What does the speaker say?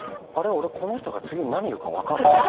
オレこの人が次何言うかわかる。